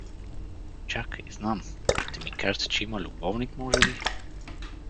… Чакай, знам — ще ми кажете, че има любовник, може би?